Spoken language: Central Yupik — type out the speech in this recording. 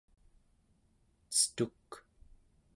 cetuk